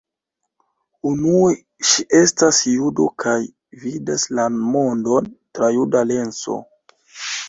Unue, ŝi estas judo kaj vidas la mondon tra juda lenso.